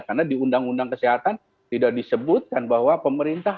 karena di undang undang kesehatan tidak disebutkan bahwa pemerintah